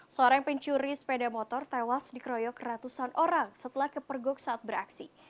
seorang pencuri sepeda motor tewas dikroyok ratusan orang setelah kepergok saat beraksi